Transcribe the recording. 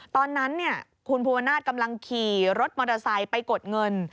ตอนนั้นคุณภูวนาศกำลังขี่รถมอเตอร์ไซค์ไปกดเงิน